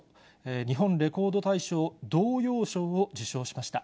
日本レコード大賞童謡賞を受賞しました。